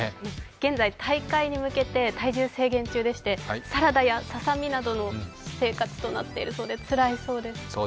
現在、大会に向けて体重制限中だそうで、サラダやささ身などの生活となっているそうで、つらいそうです。